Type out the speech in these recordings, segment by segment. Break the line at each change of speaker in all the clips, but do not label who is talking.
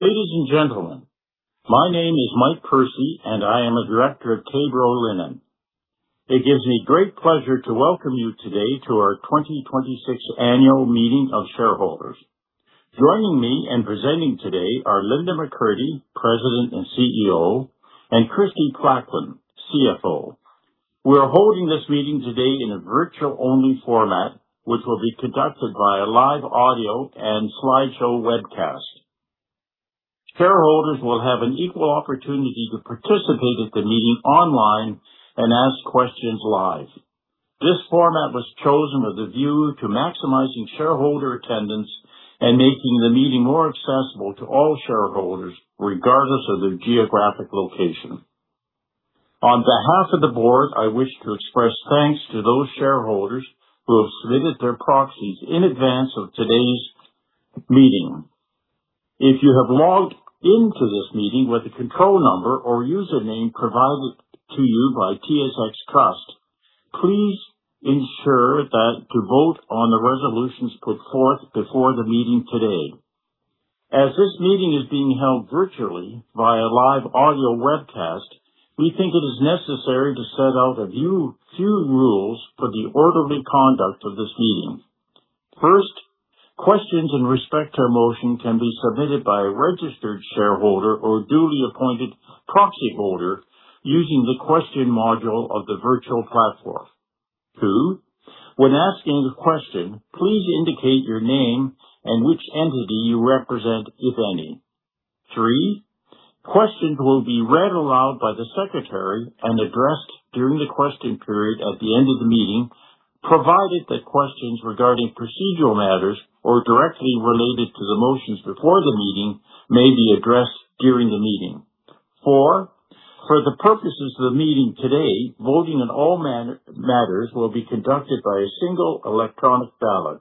Ladies and gentlemen, my name is Mike Percy, and I am a director at K-Bro Linen. It gives me great pleasure to welcome you today to our 2026 Annual Meeting of Shareholders. Joining me and presenting today are Linda McCurdy, President and CEO, and Kristie Plaquin, CFO. We are holding this meeting today in a virtual-only format, which will be conducted by a live audio and slideshow webcast. Shareholders will have an equal opportunity to participate at the meeting online and ask questions live. This format was chosen with a view to maximizing shareholder attendance and making the meeting more accessible to all shareholders, regardless of their geographic location. On behalf of the board, I wish to express thanks to those shareholders who have submitted their proxies in advance of today's meeting. If you have logged into this meeting with the control number or username provided to you by TSX Trust, please ensure to vote on the resolutions put forth before the meeting today. As this meeting is being held virtually via live audio webcast, we think it is necessary to set out a few rules for the orderly conduct of this meeting. First, questions in respect to a motion can be submitted by a registered shareholder or duly appointed proxyholder using the question module of the virtual platform. Two, when asking a question, please indicate your name and which entity you represent, if any. Three, questions will be read aloud by the secretary and addressed during the question period at the end of the meeting, provided that questions regarding procedural matters or directly related to the motions before the meeting may be addressed during the meeting. Four, for the purposes of the meeting today, voting on all matters will be conducted by a single electronic ballot.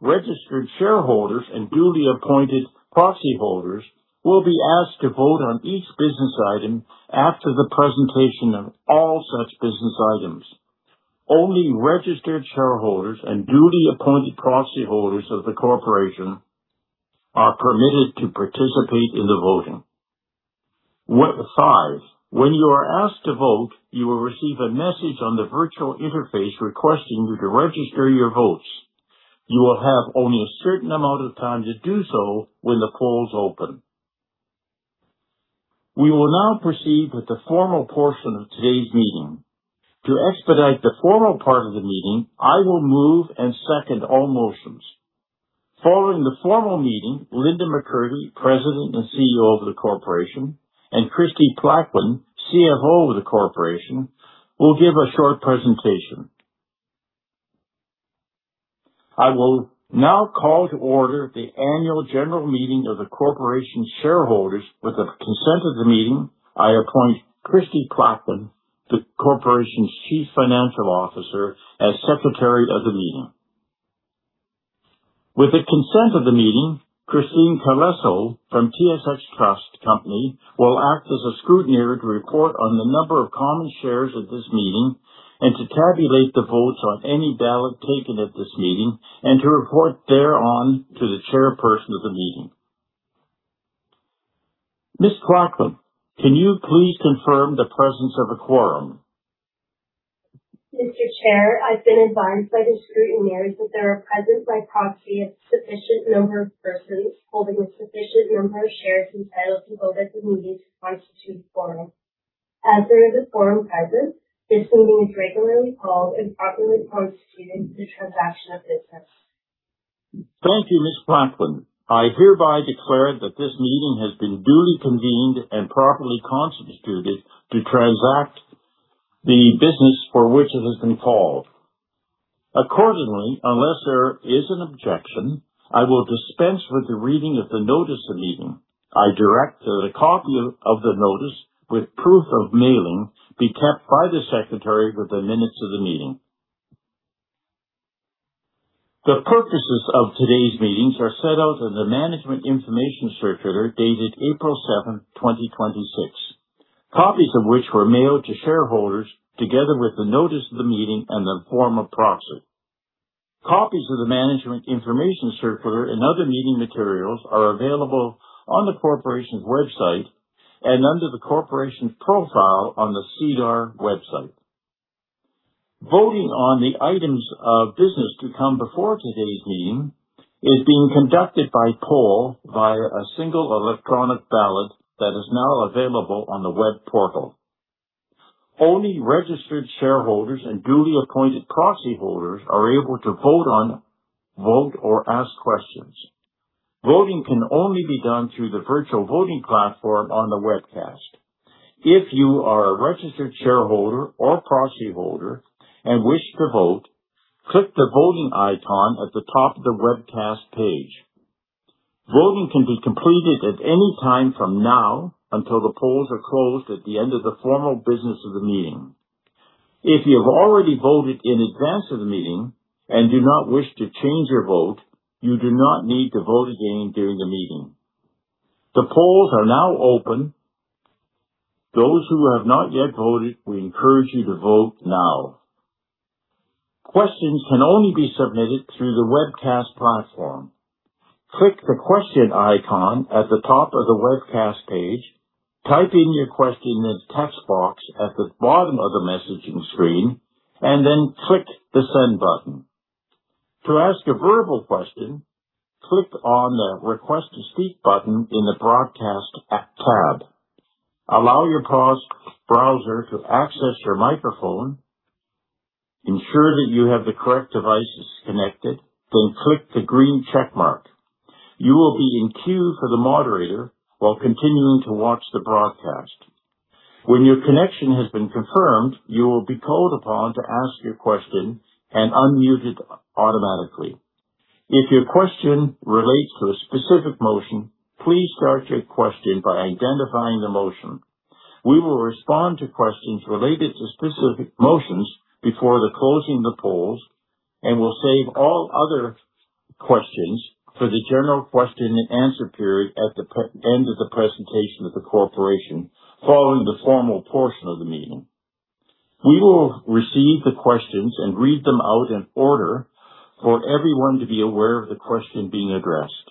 Registered shareholders and duly appointed proxyholders will be asked to vote on each business item after the presentation of all such business items. Only registered shareholders and duly appointed proxyholders of the corporation are permitted to participate in the voting. Five, when you are asked to vote, you will receive a message on the virtual interface requesting you to register your votes. You will have only a certain amount of time to do so when the polls open. We will now proceed with the formal portion of today's meeting. To expedite the formal part of the meeting, I will move and second all motions. Following the formal meeting, Linda McCurdy, President and CEO of the corporation, and Kristie Plaquin, CFO of the corporation, will give a short presentation. I will now call to order the Annual General Meeting of the corporation shareholders. With the consent of the meeting, I appoint Kristie Plaquin, the corporation's Chief Financial Officer, as secretary of the meeting. With the consent of the meeting, Kristie Calesso from TSX Trust Company will act as a scrutineer to report on the number of common shares at this meeting and to tabulate the votes on any ballot taken at this meeting, and to report thereon to the chairperson of the meeting. Ms. Plaquin, can you please confirm the presence of a quorum?
Mr. Chair, I've been advised by the scrutineers that there are present by proxy a sufficient number of persons holding a sufficient number of shares entitled to vote at the meeting to constitute quorum. As there is a quorum present, this meeting is regularly called and properly constituted to transaction of business.
Thank you, Ms. Plaquin. I hereby declare that this meeting has been duly convened and properly constituted to transact the business for which it has been called. Accordingly, unless there is an objection, I will dispense with the reading of the notice of meeting. I direct that a copy of the notice with proof of mailing be kept by the secretary with the minutes of the meeting. The purposes of today's meetings are set out in the Management Information Circular dated April 7th, 2026, copies of which were mailed to shareholders together with the notice of the meeting and the form of proxy. Copies of the Management Information Circular and other meeting materials are available on the corporation's website and under the corporation's profile on the SEDAR website. Voting on the items of business to come before today's meeting is being conducted by poll via a single electronic ballot that is now available on the web portal. Only registered shareholders and duly appointed proxyholders are able to vote or ask questions. Voting can only be done through the virtual voting platform on the webcast. If you are a registered shareholder or proxyholder and wish to vote, click the voting icon at the top of the webcast page. Voting can be completed at any time from now until the polls are closed at the end of the formal business of the meeting. If you have already voted in advance of the meeting and do not wish to change your vote, you do not need to vote again during the meeting. The polls are now open. Those who have not yet voted, we encourage you to vote now. Questions can only be submitted through the webcast platform. Click the question icon at the top of the webcast page, type in your question in the text box at the bottom of the messaging screen, and then click the send button. To ask a verbal question, click on the Request to Speak button in the Broadcast tab. Allow your browser to access your microphone. Ensure that you have the correct devices connected, then click the green check mark. You will be in queue for the moderator while continuing to watch the broadcast. When your connection has been confirmed, you will be called upon to ask your question and unmuted automatically. If your question relates to a specific motion, please start your question by identifying the motion. We will respond to questions related to specific motions before the closing of the polls, and we'll save all other questions for the general question and answer period at the end of the presentation of the corporation, following the formal portion of the meeting. We will receive the questions and read them out in order for everyone to be aware of the question being addressed.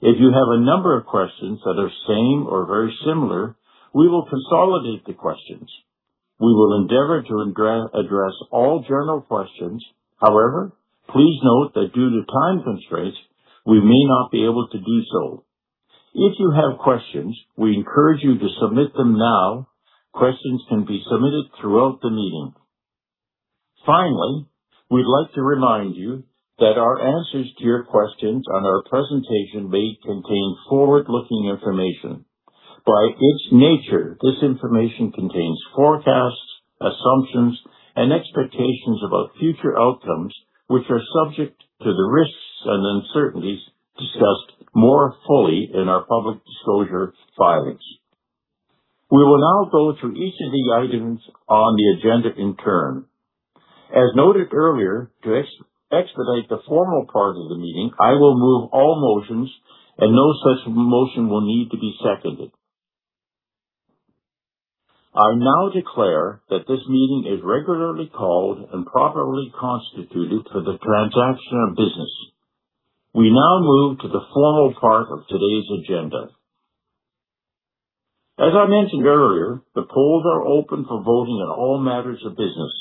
If you have a number of questions that are same or very similar, we will consolidate the questions. We will endeavor to address all general questions. However, please note that due to time constraints, we may not be able to do so. If you have questions, we encourage you to submit them now. Questions can be submitted throughout the meeting. Finally, we'd like to remind you that our answers to your questions on our presentation may contain forward-looking information. By its nature, this information contains forecasts, assumptions, and expectations about future outcomes, which are subject to the risks and uncertainties discussed more fully in our public disclosure filings. We will now go through each of the items on the agenda in turn. As noted earlier, to expedite the formal part of the meeting, I will move all motions, and no such motion will need to be seconded. I now declare that this meeting is regularly called and properly constituted for the transaction of business. We now move to the formal part of today's agenda. As I mentioned earlier, the polls are open for voting on all matters of business.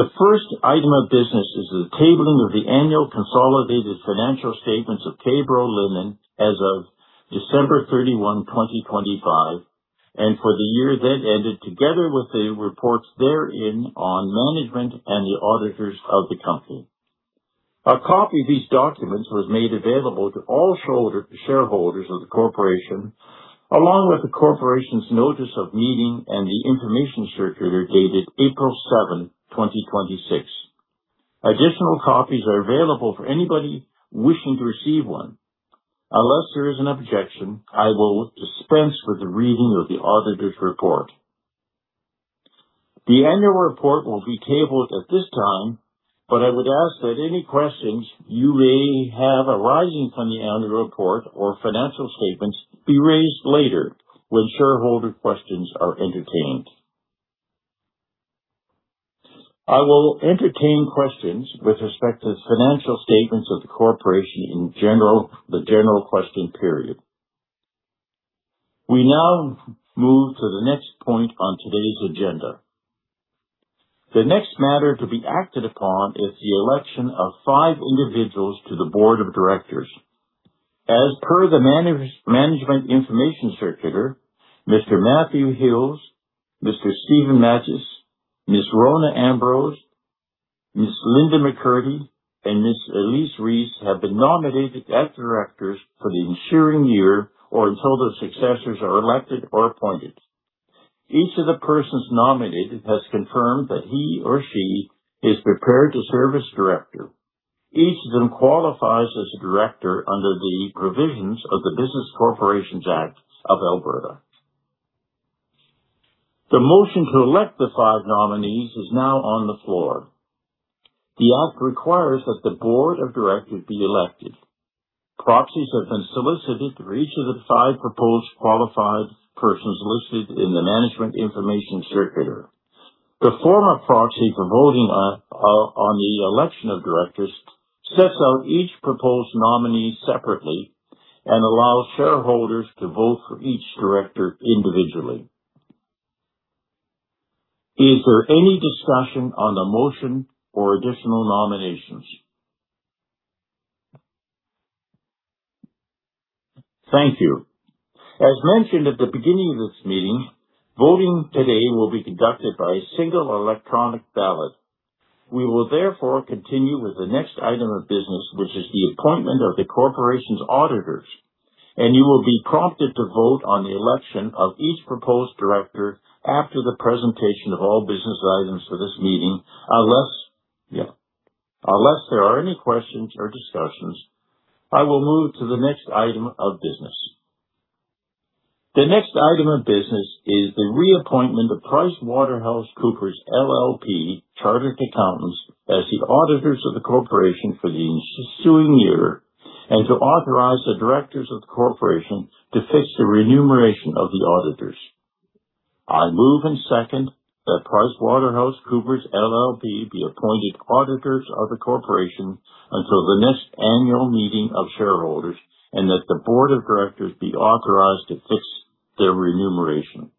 The first item of business is the tabling of the annual consolidated financial statements of K-Bro Linen as of December 31, 2025, and for the year then ended, together with the reports therein on management and the auditors of the company. A copy of these documents was made available to all shareholders of the corporation, along with the corporation's notice of meeting and the information circulator dated April 7, 2026. Additional copies are available for anybody wishing to receive one. Unless there is an objection, I will dispense with the reading of the auditor's report. The annual report will be tabled at this time, but I would ask that any questions you may have arising from the annual report or financial statements be raised later when shareholder questions are entertained. I will entertain questions with respect to the financial statements of the corporation in the general question period. We now move to the next point on today's agenda. The next matter to be acted upon is the election of five individuals to the board of directors. As per the management information circular, Mr. Matthew Hills, Mr. Steven Matyas, Ms. Rona Ambrose, Ms. Linda McCurdy, and Ms. Elise Rees have been nominated as directors for the ensuing year or until their successors are elected or appointed. Each of the persons nominated has confirmed that he or she is prepared to serve as director. Each of them qualifies as a director under the provisions of the Business Corporations Act (Alberta). The motion to elect the five nominees is now on the floor. The act requires that the board of directors be elected. Proxies have been solicited for each of the five proposed qualified persons listed in the management information circular. The form of proxy for voting on the election of directors sets out each proposed nominee separately and allows shareholders to vote for each director individually. Is there any discussion on the motion or additional nominations? Thank you. As mentioned at the beginning of this meeting, voting today will be conducted by a single electronic ballot. We will therefore continue with the next item of business, which is the appointment of the corporation's auditors, and you will be prompted to vote on the election of each proposed director after the presentation of all business items for this meeting. Unless there are any questions or discussions, I will move to the next item of business. The next item of business is the reappointment of PricewaterhouseCoopers LLP Chartered Accountants as the auditors of the corporation for the ensuing year and to authorize the directors of the corporation to fix the remuneration of the auditors. I move and second that PricewaterhouseCoopers LLP be appointed auditors of the corporation until the next annual meeting of shareholders, and that the board of directors be authorized to fix their remuneration.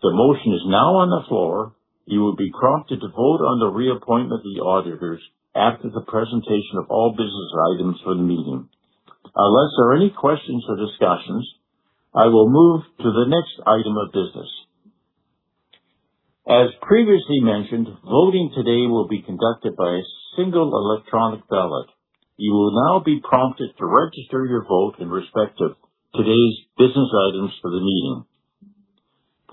The motion is now on the floor. You will be prompted to vote on the reappointment of the auditors after the presentation of all business items for the meeting. Unless there are any questions or discussions, I will move to the next item of business. As previously mentioned, voting today will be conducted by a single electronic ballot. You will now be prompted to register your vote in respect of today's business items for the meeting.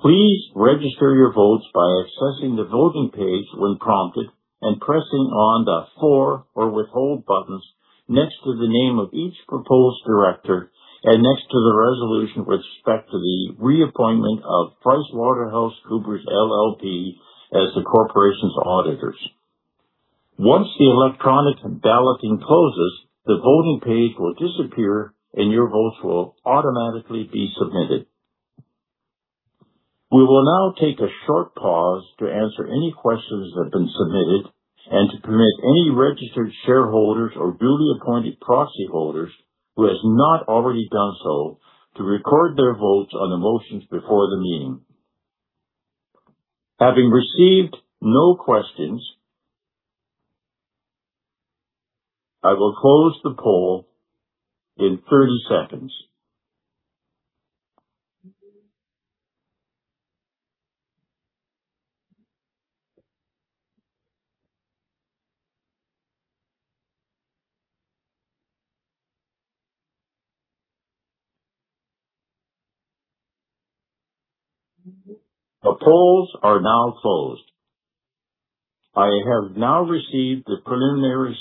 Please register your votes by accessing the voting page when prompted and pressing on the "For" or "Withhold" buttons next to the name of each proposed director and next to the resolution with respect to the reappointment of PricewaterhouseCoopers LLP as the corporation's auditors. Once the electronic balloting closes, the voting page will disappear, and your votes will automatically be submitted. We will now take a short pause to answer any questions that have been submitted and to permit any registered shareholders or duly appointed proxy holders who has not already done so to record their votes on the motions before the meeting. Having received no questions, I will close the poll in 30 seconds. The polls are now closed. I have now received the preliminary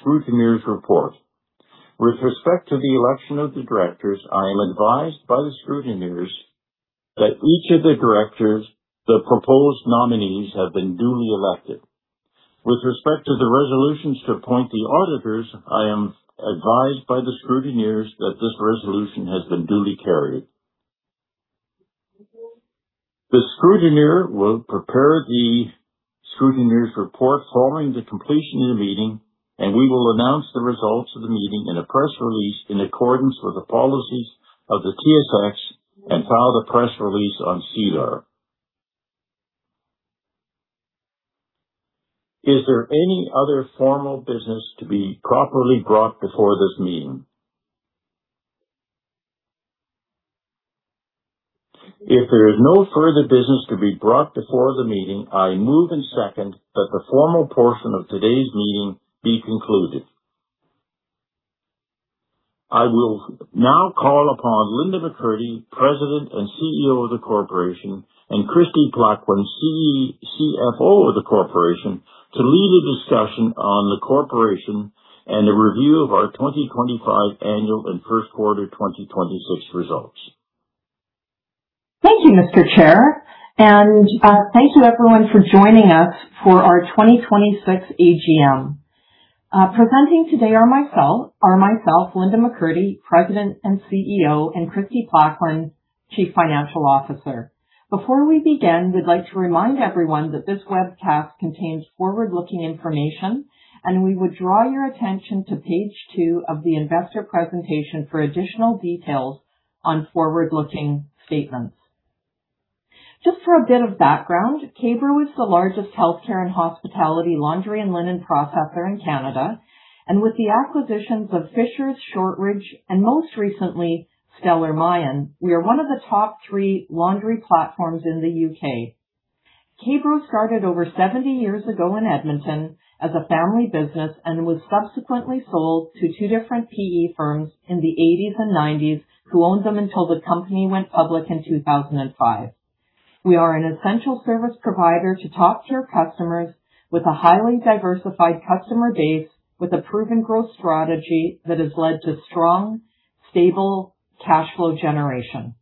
scrutineers report. With respect to the election of the directors, I am advised by the scrutineers that each of the directors, the proposed nominees, have been duly elected. With respect to the resolutions to appoint the auditors, I am advised by the scrutineers that this resolution has been duly carried. The scrutineer will prepare the scrutineers report following the completion of the meeting, and we will announce the results of the meeting in a press release in accordance with the policies of the TSX and file the press release on SEDAR. Is there any other formal business to be properly brought before this meeting? If there is no further business to be brought before the meeting, I move and second that the formal portion of today's meeting be concluded. I will now call upon Linda McCurdy, President and CEO of the corporation, and Kristie Plaquin, CFO of the corporation, to lead a discussion on the corporation and a review of our 2025 annual and first quarter 2026 results.
Thank you, Mr. Chair, and thank you everyone for joining us for our 2026 AGM. Presenting today are myself, Linda McCurdy, President and CEO, and Kristie Plaquin, Chief Financial Officer. Before we begin, we'd like to remind everyone that this webcast contains forward-looking information, and we would draw your attention to page two of the investor presentation for additional details on forward-looking statements. Just for a bit of background, K-Bro is the largest healthcare and hospitality laundry and linen processor in Canada. With the acquisitions of Fishers, Shortridge, and most recently, Stellar Mayan, we are one of the top three laundry platforms in the U.K. K-Bro started over 70 years ago in Edmonton as a family business and was subsequently sold to two different PE firms in the 1980s and 1990s, who owned them until the company went public in 2005. We are an essential service provider to top-tier customers with a highly diversified customer base with a proven growth strategy that has led to strong, stable cash flow generation.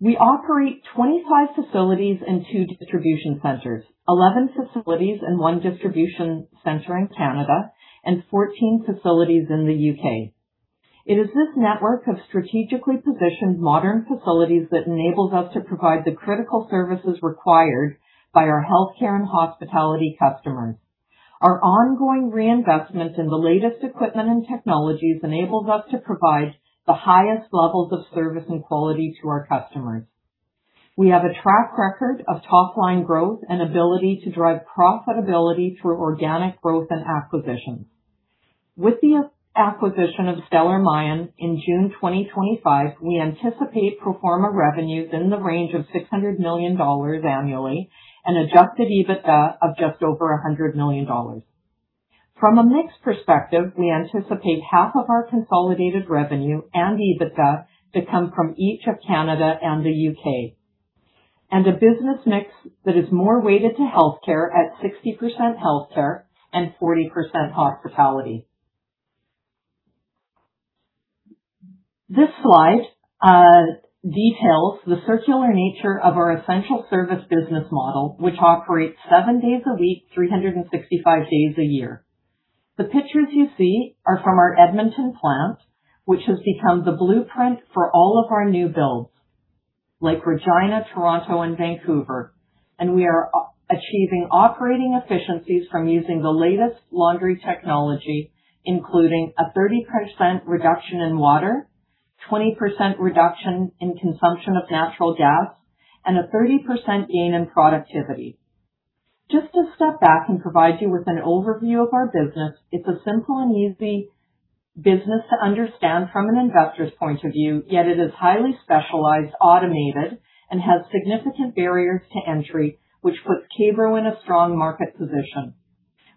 We operate 25 facilities and two distribution centers. 11 facilities and one distribution center in Canada and 14 facilities in the U.K. It is this network of strategically positioned modern facilities that enables us to provide the critical services required by our healthcare and hospitality customers. Our ongoing reinvestment in the latest equipment and technologies enables us to provide the highest levels of service and quality to our customers. We have a track record of top-line growth and ability to drive profitability through organic growth and acquisitions. With the acquisition of Stellar Mayan in June 2025, we anticipate pro forma revenues in the range of 600 million dollars annually and adjusted EBITDA of just over 100 million dollars. From a mix perspective, we anticipate half of our consolidated revenue and EBITDA to come from each of Canada and the U.K., and a business mix that is more weighted to healthcare at 60% healthcare and 40% hospitality. This slide details the circular nature of our essential service business model, which operates seven days a week, 365 days a year. The pictures you see are from our Edmonton plant, which has become the blueprint for all of our new builds, like Regina, Toronto, and Vancouver. We are achieving operating efficiencies from using the latest laundry technology, including a 30% reduction in water, 20% reduction in consumption of natural gas, and a 30% gain in productivity. Just to step back and provide you with an overview of our business, it is a simple and easy business to understand from an investor's point of view, yet it is highly specialized, automated, and has significant barriers to entry, which puts K-Bro in a strong market position.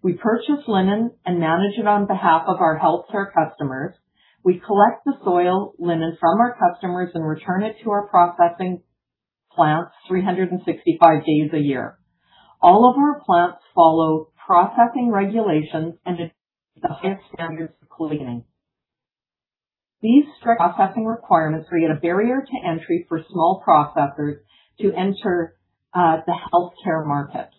We purchase linen and manage it on behalf of our healthcare customers. We collect the soiled linen from our customers and return it to our processing plants 365 days a year. All of our plants follow processing regulations and the highest standards of cleaning. These strict processing requirements create a barrier to entry for small processors to enter the healthcare market.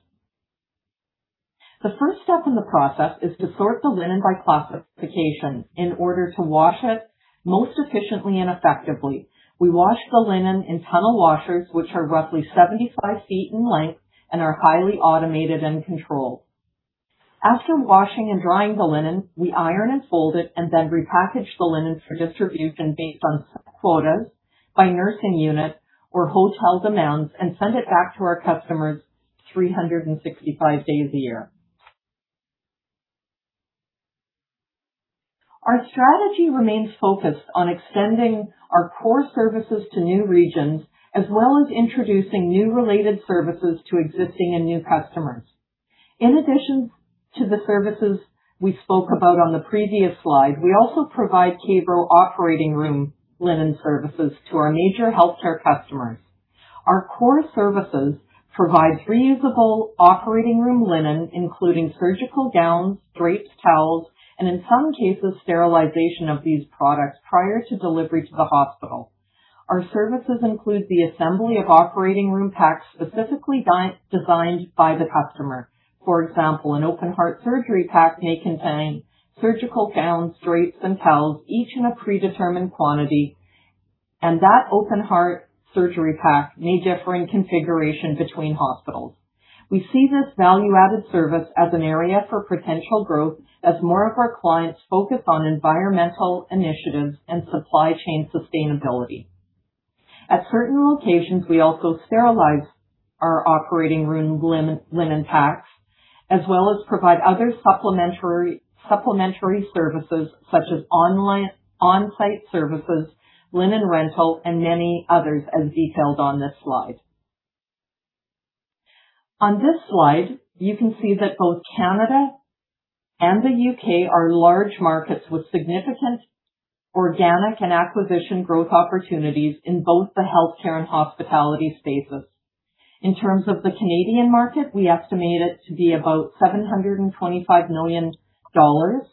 The first step in the process is to sort the linen by classification in order to wash it most efficiently and effectively. We wash the linen in tunnel washers, which are roughly 75 feet in length and are highly automated and controlled. After washing and drying the linen, we iron and fold it, and then repackage the linens for distribution based on quotas by nursing unit or hotel demands and send it back to our customers 365 days a year. Our strategy remains focused on extending our core services to new regions, as well as introducing new related services to existing and new customers. In addition to the services we spoke about on the previous slide, we also provide K-Bro operating room linen services to our major healthcare customers. Our core services provide reusable operating room linen, including surgical gowns, drapes, towels, and in some cases, sterilization of these products prior to delivery to the hospital. Our services include the assembly of operating room packs specifically designed by the customer. For example, an open heart surgery pack may contain surgical gowns, drapes, and towels, each in a predetermined quantity, and that open heart surgery pack may differ in configuration between hospitals. We see this value-added service as an area for potential growth as more of our clients focus on environmental initiatives and supply chain sustainability. At certain locations, we also sterilize our operating room linen packs, as well as provide other supplementary services such as on-site services, linen rental, and many others as detailed on this slide. On this slide, you can see that both Canada and the U.K. are large markets with significant organic and acquisition growth opportunities in both the healthcare and hospitality spaces. In terms of the Canadian market, we estimate it to be about 725 million dollars.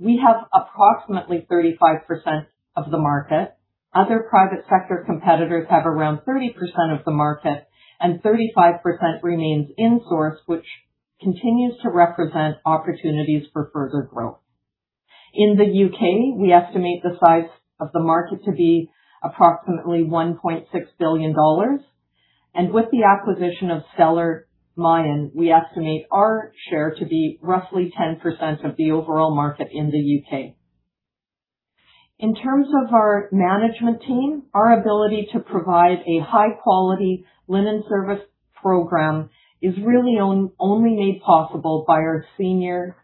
We have approximately 35% of the market. Other private sector competitors have around 30% of the market. 35% remains in-source, which continues to represent opportunities for further growth. In the U.K., we estimate the size of the market to be approximately 1.6 billion dollars. With the acquisition of Stellar Mayan, we estimate our share to be roughly 10% of the overall market in the U.K. In terms of our management team, our ability to provide a high-quality linen service program is really only made possible by our seasoned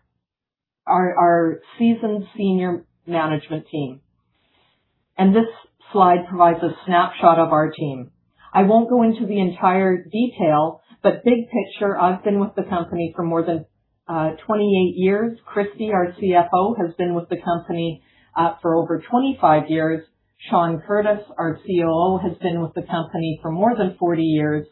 senior management team. This slide provides a snapshot of our team. I won't go into the entire detail, but big picture, I've been with the company for more than 28 years. Kristie, our CFO, has been with the company for over 25 years. Sean Curtis, our COO, has been with the company for more than 40 years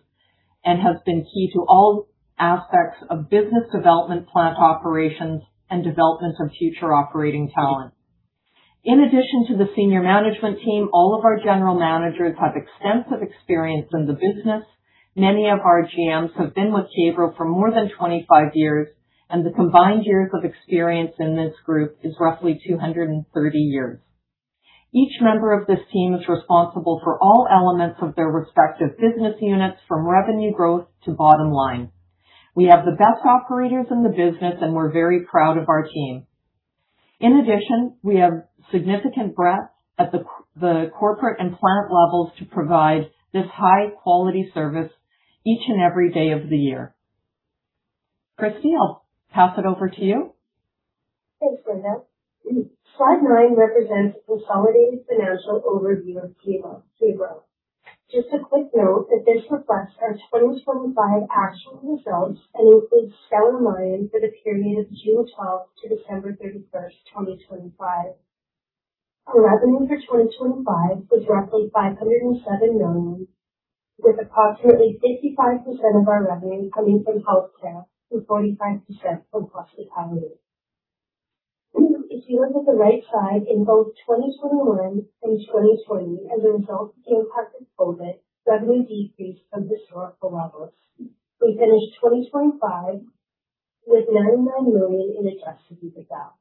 and has been key to all aspects of business development, plant operations, and development of future operating talent. In addition to the senior management team, all of our general managers have extensive experience in the business. Many of our GMs have been with K-Bro for more than 25 years, and the combined years of experience in this group is roughly 230 years. Each member of this team is responsible for all elements of their respective business units, from revenue growth to bottom line. We have the best operators in the business, and we're very proud of our team. In addition, we have significant breadth at the corporate and plant levels to provide this high-quality service each and every day of the year. Kristie, I'll pass it over to you.
Thanks, Linda. Slide nine represents the consolidated financial overview of K-Bro. Just a quick note that this reflects our 2025 actual results and includes Stellar Mayan for the period of June 12th to December 31st, 2025. Our revenue for 2025 was roughly 507 million, with approximately 55% of our revenue coming from healthcare and 45% from hospitality. If you look at the right side, in both 2021 and 2020, as a result of the impact of COVID, revenue decreased from historical levels. We finished 2025 with CAD 99 million in adjusted EBITDA.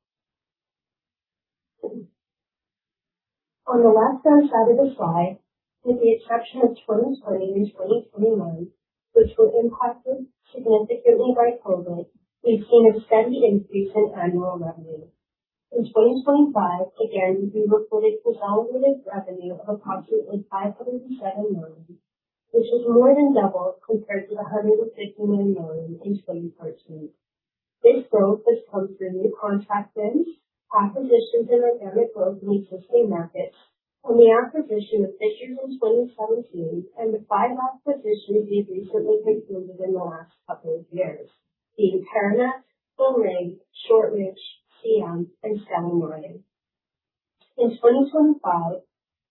On the left-hand side of the slide, with the exception of 2020 and 2021, which were impacted significantly by COVID, we've seen a steady increase in annual revenue. In 2025, again, we reported consolidated revenue of approximately 537 million, which is more than double compared to the 159 million in 2014. This growth has come from new contract wins, acquisitions, and organic growth in existing markets, from the acquisition of Fishers in 2017, and the five acquisitions we've recently concluded in the last couple of years, being Karana, Villeray, Shortridge, CM, and Stellar Mayan. In 2025,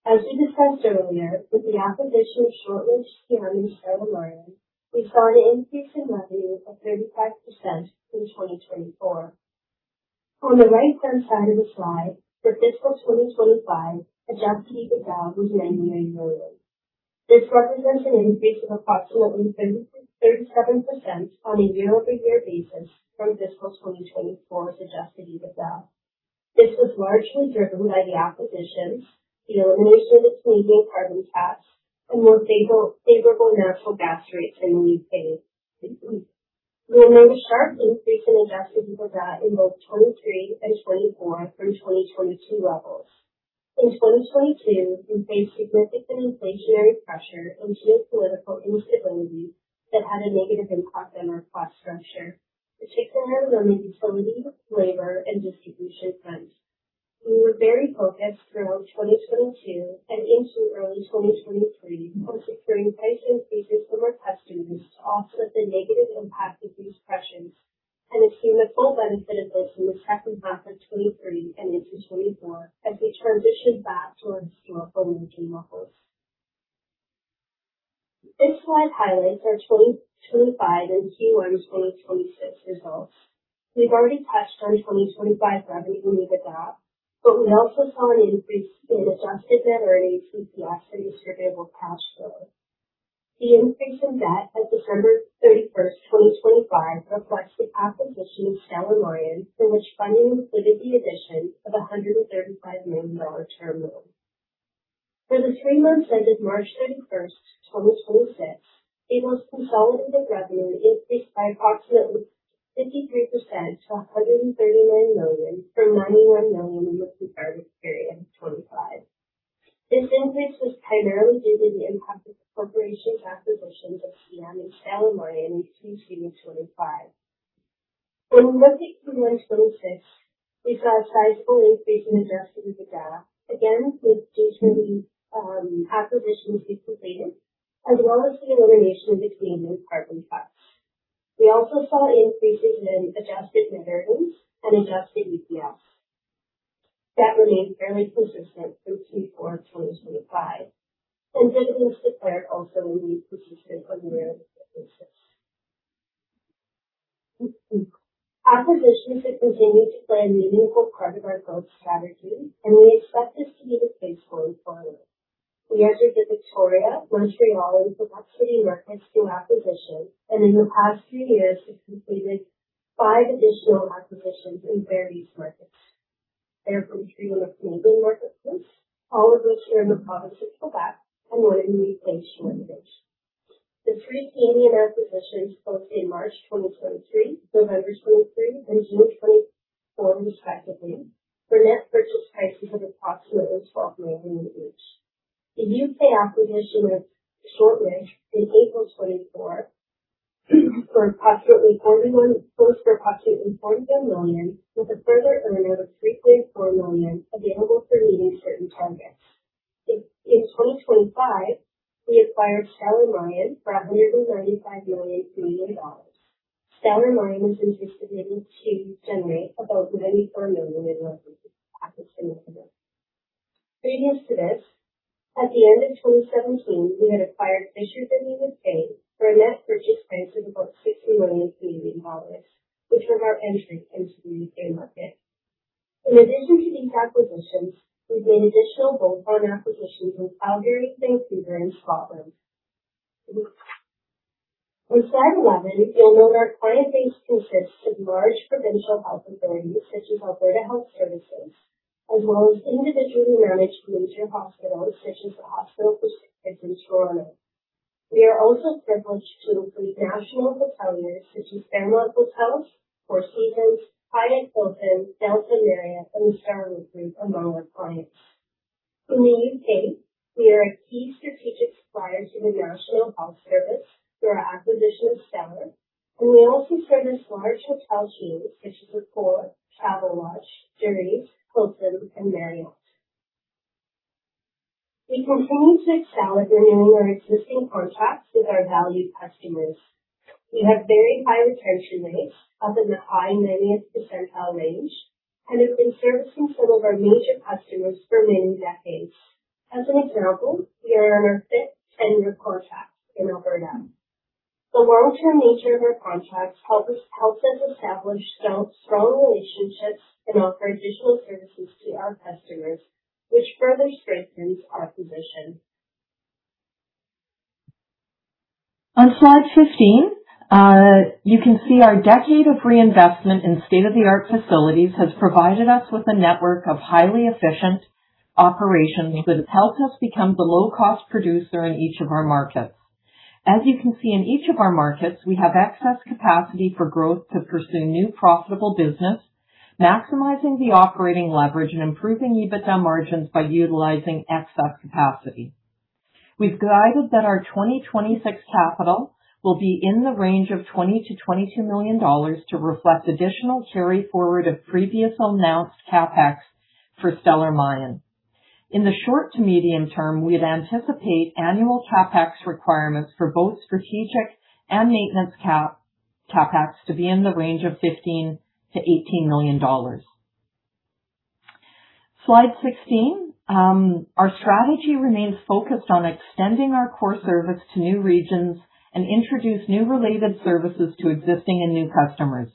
as we discussed earlier, with the acquisition of Shortridge, CM, and Stellar Mayan, we saw an increase in revenue of 35% from 2024. On the right-hand side of the slide, the fiscal 2025 adjusted EBITDA was CAD 99 million. This represents an increase of approximately 37% on a year-over-year basis from fiscal 2024 adjusted EBITDA. This was largely driven by the acquisitions, the elimination of the Canadian carbon tax, and more favorable natural gas rates in the U.K. We have made a sharp increase in adjusted EBITDA in both 2023 and 2024 from 2022 levels. In 2022, we faced significant inflationary pressure and geopolitical instability that had a negative impact on our cost structure, particularly on the utility, labor, and distribution front. We were very focused throughout 2022 and into early 2023 on securing price increases from our customers to offset the negative impact of these pressures and have seen the full benefit of this in the second half of 2023 and into 2024, as we transitioned back to our historical revenue levels. This slide highlights our 2025 and Q1 2026 results. We've already touched on 2025 revenue EBITDA. We also saw an increase in adjusted net earnings EPS and distributable cash flow. The increase in debt at December 31st, 2025, reflects the acquisition of Stellar Mayan, for which funding included the addition of a 135 million dollar term loan. For the three months ended March 31st, 2026, K-Bro's consolidated revenue increased by approximately 53% to 139 million from 91 million in the comparative period of 2025. This increase was primarily due to the impact of the corporation's acquisitions of CM and Stellar Mayan in Q3 of 2025. When we look at Q1 2026, we saw a sizable increase in adjusted EBITDA, due to the acquisitions we completed, as well as the elimination of the Canadian carbon tax. We also saw increases in adjusted net earnings and adjusted EPS. That remained fairly persistent through Q4 of 2025, and dividends declared also remained persistent on a year-over-year basis. Acquisitions have continued to play a meaningful part of our growth strategy, and we expect this to be the case going forward. We entered the Victoria, Montreal, and Quebec City markets through acquisition, and in the past few years have completed five additional acquisitions in various markets. They are from three of the Canadian market groups, all of which are in the provinces of B.C. and one in the U.K. The three Canadian acquisitions closed in March 2023, November 2023, and June 2024, respectively. Their net purchase prices was approximately CAD 12 million each. The U.K. acquisition of Shortridge in April 2024 closed for approximately 44 million, with a further earn-out of 3.4 million available for meeting certain targets. In 2025, we acquired Stellar Mayan for 195 million Canadian dollars. Stellar Mayan is anticipated to generate about 94 million dollars in revenues after its integration. Previous to this, at the end of 2017, we had acquired Fishers in the U.K. for a net purchase price of about 60 million Canadian dollars, which was our entry into the U.K. market. In addition to these acquisitions, we've made additional bolt-on acquisitions in Calgary, Vancouver, and Scotland. On slide 11, you'll note our client base consists of large provincial health authorities, such as Alberta Health Services, as well as individually managed community hospitals, such as The Hospital for SickKids in Toronto. We are also privileged to include national hoteliers such as Fairmont Hotels, Four Seasons, Hyatt, Hilton, Delta, Marriott, and the Starwood group among our clients. In the U.K., we are a key strategic supplier to the National Health Service through our acquisition of Stellar Mayan, and we also service large hotel chains such as Accor, Travelodge, Jurys, Hilton, and Marriott. We continue to excel at renewing our existing contracts with our valued customers. We have very high retention rates, up in the high 90th percentile range, and have been servicing some of our major customers for many decades. As an example, we are on our fifth tenure contract in Alberta. The long-term nature of our contracts helps us establish strong relationships and offer digital services to our customers, which further strengthens our position.
On slide 15, you can see our decade of reinvestment in state-of-the-art facilities has provided us with a network of highly efficient operations that has helped us become the low-cost producer in each of our markets. As you can see, in each of our markets, we have excess capacity for growth to pursue new profitable business, maximizing the operating leverage, and improving EBITDA margins by utilizing excess capacity. We've guided that our 2026 capital will be in the range of 20 million-22 million dollars to reflect additional carry-forward of previously announced CapEx for Stellar Mayan. In the short to medium term, we'd anticipate annual CapEx requirements for both strategic and maintenance CapEx to be in the range of 15 million-18 million dollars. Slide 16. Our strategy remains focused on extending our core service to new regions and introduce new related services to existing and new customers.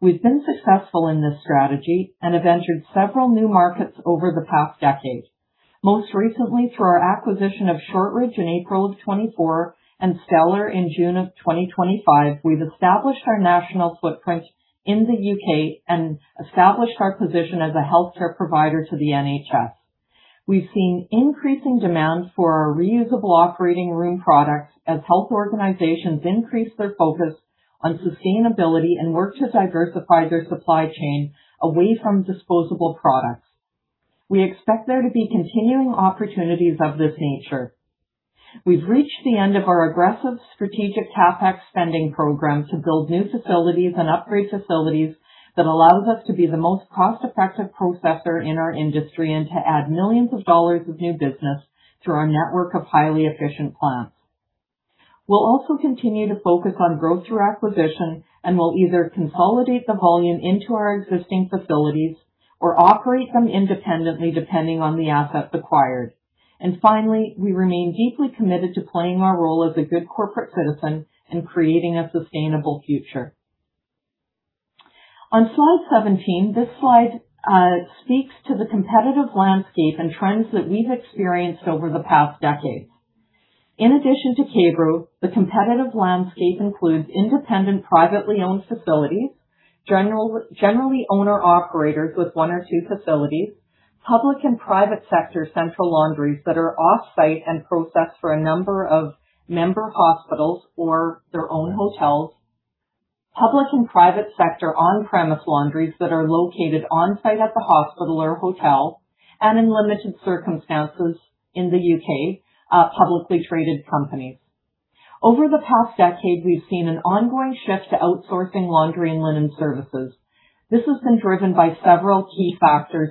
We've been successful in this strategy and have entered several new markets over the past decade. Most recently, through our acquisition of Shortridge in April of 2024 and Stellar in June of 2025, we've established our national footprint in the U.K. and established our position as a healthcare provider to the NHS. We've seen increasing demand for our reusable operating room products as health organizations increase their focus on sustainability and work to diversify their supply chain away from disposable products. We expect there to be continuing opportunities of this nature. We've reached the end of our aggressive strategic CapEx spending program to build new facilities and upgrade facilities that allows us to be the most cost-effective processor in our industry and to add millions of CAD of new business through our network of highly efficient plants. We'll also continue to focus on growth through acquisition, and we'll either consolidate the volume into our existing facilities or operate them independently, depending on the asset acquired. Finally, we remain deeply committed to playing our role as a good corporate citizen in creating a sustainable future. On slide 17, this slide speaks to the competitive landscape and trends that we've experienced over the past decade. In addition to K-Bro, the competitive landscape includes independent privately owned facilities, generally owner-operators with one or two facilities, public and private sector central laundries that are off-site and process for a number of member hospitals or their own hotels, public and private sector on-premise laundries that are located on-site at the hospital or hotel, and in limited circumstances in the U.K., publicly traded companies. Over the past decade, we've seen an ongoing shift to outsourcing laundry and linen services. This has been driven by several key factors,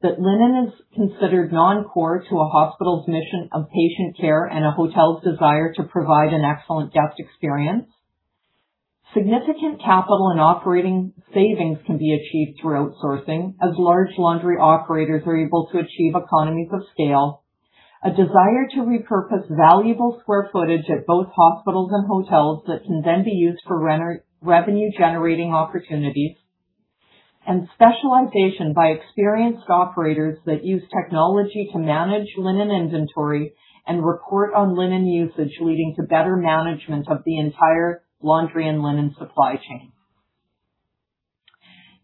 including that linen is considered non-core to a hospital's mission of patient care and a hotel's desire to provide an excellent guest experience. Significant capital and operating savings can be achieved through outsourcing as large laundry operators are able to achieve economies of scale. A desire to repurpose valuable square footage at both hospitals and hotels that can then be used for revenue-generating opportunities, and specialization by experienced operators that use technology to manage linen inventory and report on linen usage, leading to better management of the entire laundry and linen supply chain.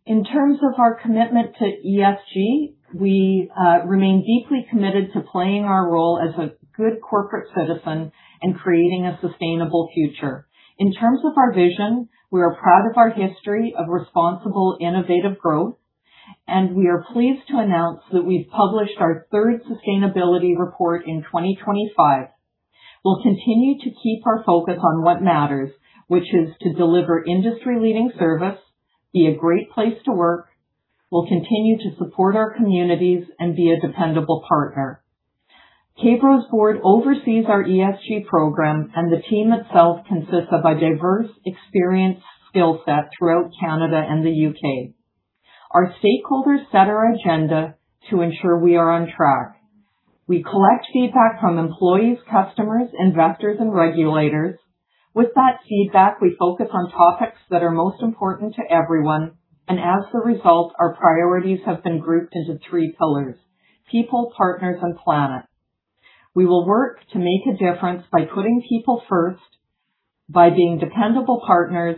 In terms of our commitment to ESG, we remain deeply committed to playing our role as a good corporate citizen in creating a sustainable future. In terms of our vision, we are proud of our history of responsible, innovative growth, and we are pleased to announce that we've published our third sustainability report in 2025. We'll continue to keep our focus on what matters, which is to deliver industry-leading service, be a great place to work, we'll continue to support our communities, and be a dependable partner. K-Bro's board oversees our ESG program, and the team itself consists of a diverse, experienced skill set throughout Canada and the U.K. Our stakeholders set our agenda to ensure we are on track. We collect feedback from employees, customers, investors, and regulators. With that feedback, we focus on topics that are most important to everyone, and as a result, our priorities have been grouped into three pillars: people, partners, and planet. We will work to make a difference by putting people first, by being dependable partners,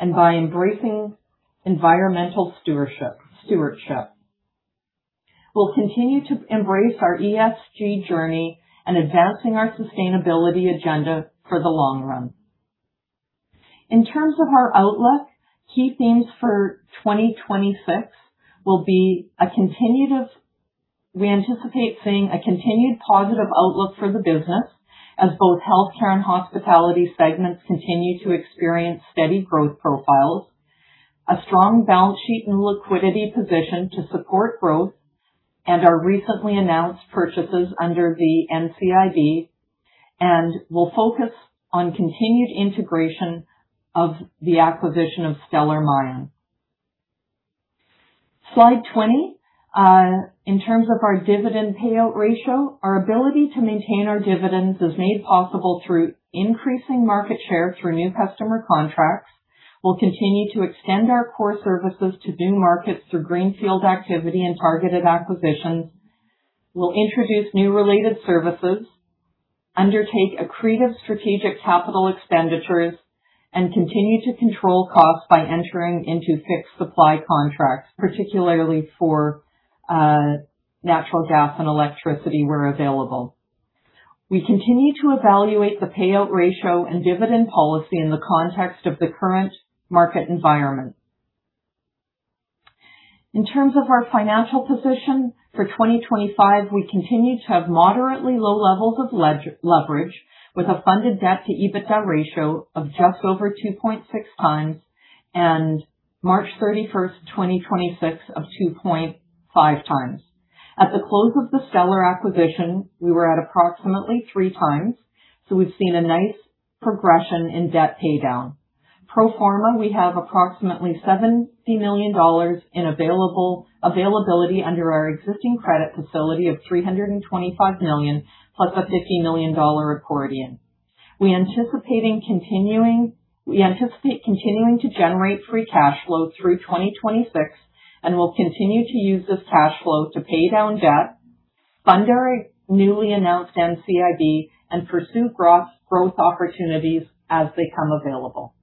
and by embracing environmental stewardship. We'll continue to embrace our ESG journey and advancing our sustainability agenda for the long run. In terms of our outlook, key themes for 2026 will be We anticipate seeing a continued positive outlook for the business as both healthcare and hospitality segments continue to experience steady growth profiles, a strong balance sheet and liquidity position to support growth, and our recently announced purchases under the NCIB, and we'll focus on continued integration of the acquisition of Stellar Mayan. Slide 20. In terms of our dividend payout ratio, our ability to maintain our dividends is made possible through increasing market share through new customer contracts. We'll continue to extend our core services to new markets through greenfield activity and targeted acquisitions. We'll introduce new related services, undertake accretive strategic capital expenditures, and continue to control costs by entering into fixed supply contracts, particularly for natural gas and electricity where available. We continue to evaluate the payout ratio and dividend policy in the context of the current market environment. In terms of our financial position for 2025, we continue to have moderately low levels of leverage with a funded debt to EBITDA ratio of just over 2.6 times, and March 31, 2026, of 2.5 times. At the close of the Stellar acquisition, we were at approximately three times. We've seen a nice progression in debt paydown. Pro forma, we have approximately 70 million dollars in availability under our existing credit facility of 325 million, plus a 50 million dollar accordion. We anticipate continuing to generate free cash flow through 2026, we'll continue to use this cash flow to pay down debt, fund our newly announced NCIB, and pursue growth opportunities as they come available.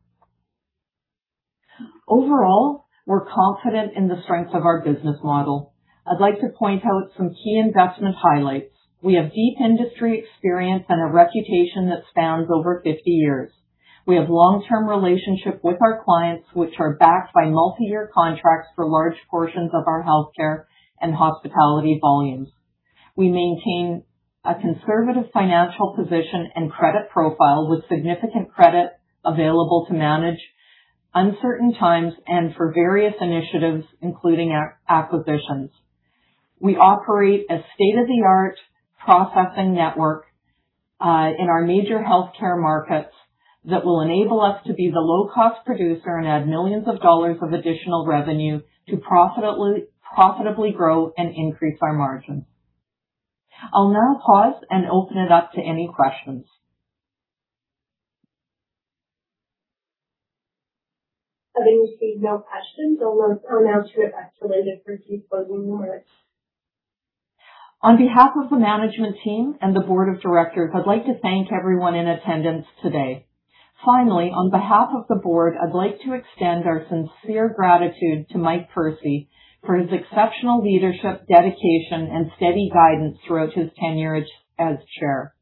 We're confident in the strength of our business model. I'd like to point out some key investment highlights. We have deep industry experience and a reputation that spans over 50 years. We have long-term relationships with our clients, which are backed by multi-year contracts for large portions of our healthcare and hospitality volumes. We maintain a conservative financial position and credit profile with significant credit available to manage uncertain times and for various initiatives, including acquisitions. We operate a state-of-the-art processing network in our major healthcare markets that will enable us to be the low-cost producer and add millions of CAD of additional revenue to profitably grow and increase our margins. I'll now pause and open it up to any questions.
Having received no questions, I'll now turn it back to Linda for closing remarks.
On behalf of the management team and the board of directors, I'd like to thank everyone in attendance today. Finally, on behalf of the board, I'd like to extend our sincere gratitude to Michael Percy for his exceptional leadership, dedication, and steady guidance throughout his tenure as chair.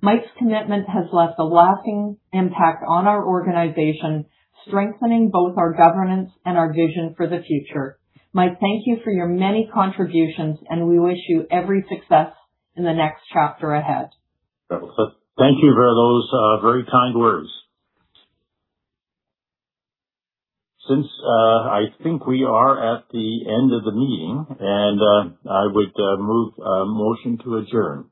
Mike's commitment has left a lasting impact on our organization, strengthening both our governance and our vision for the future. Mike, thank you for your many contributions, and we wish you every success in the next chapter ahead.
Thank you for those very kind words. Since I think we are at the end of the meeting, I would move a motion to adjourn.